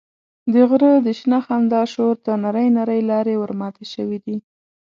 د غره د شنه خندا شور ته نرۍ نرۍ لارې ورماتې شوې دي.